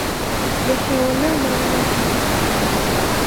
Йәшәүенең мәғәнәһе!